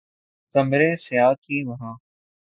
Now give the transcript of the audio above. کمریں سیاہ تھیں وہاں